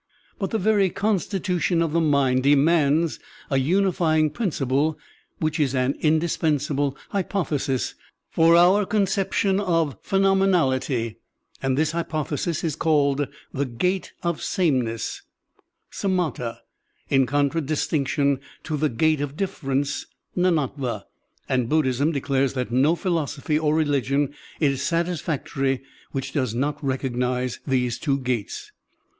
But the very constitution of the mind demands a tmify ing principle which is an indispensable hypothesis for our conception of phenomenality; and this Digitized by Google THE GOD CONCEPTION OP BUDDHISM 27 hypothesis is called "the gate of sameness," samatd, in contradistinction to "the gate of difference/' ndndtva; and Buddhism declares that no philosophy or religion is satisfactory which does not recognize these two gates.